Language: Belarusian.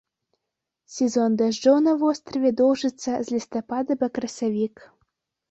Сезон дажджоў на востраве доўжыцца з лістапада па красавік.